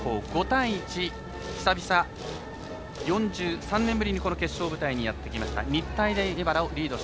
５対１、久々４３年ぶりにこの決勝の舞台にやってきました。